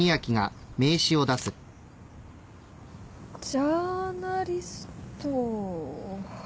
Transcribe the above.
ジャーナリスト。